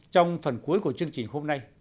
trong phần cuối của chương trình hôm nay